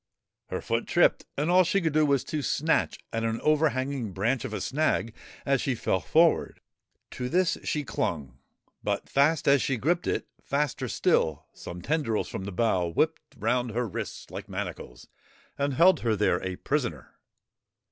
Her foot tripped and all she could do was to snatch at an overhanging branch of a snag as she fell forward. To this she clung, but, fast as she gripped it, faster still some tendrils from the bough whipped round her wrists like manacles and held her there a prisoner.